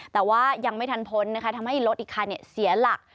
แต่ว่ายังไม่ทันพ้นนะคะทำให้รถอีกคันเสียหลัก